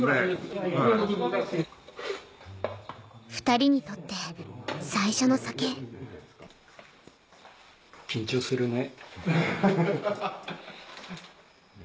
２人にとって最初の酒緊張するね。